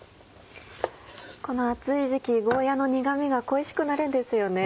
この暑い時期ゴーヤの苦味が恋しくなるんですよね。